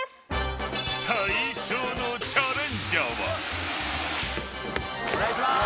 ［最初のチャレンジャーは］お願いします。